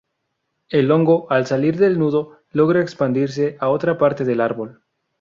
El hongo al salir del nudo logra expandirse a otra parte del árbol.